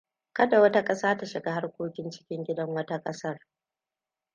Kada wata ƙasa ta shiga harkokin cikin gidan wata ƙasar.